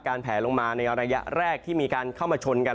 แผลลงมาในระยะแรกที่มีการเข้ามาชนกัน